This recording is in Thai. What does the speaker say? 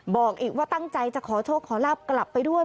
บอกอีกว่าตั้งใจจะขอโชคขอลาบกลับไปด้วย